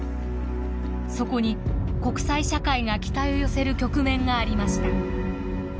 そこに国際社会が期待を寄せる局面がありました。